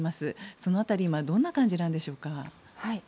その辺り今、どんな感じなんでしょうか。